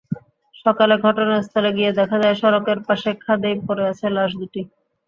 সকালে ঘটনাস্থলে গিয়ে দেখা যায়, সড়কের পাশে খাদেই পড়ে আছে লাশ দুটি।